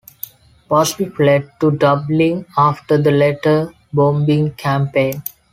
Busby fled to Dublin after the letter-bombing campaign.